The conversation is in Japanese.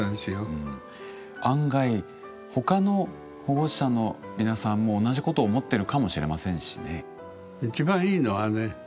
うん案外他の保護者の皆さんも同じことを思ってるかもしれませんしね。